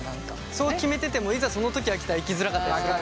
そう決めててもいざその時が来たらいきづらかったりする。